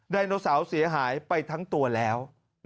ไดโนเสาร์เสียหายไปทั้งตัวแล้ว